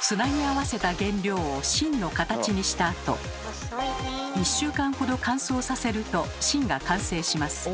つなぎ合わせた原料を芯の形にしたあと１週間ほど乾燥させると芯が完成します。